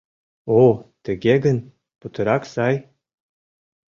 О, тыге гын, путырак сай!»